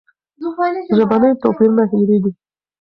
ژبني توپیرونه هېرېږي.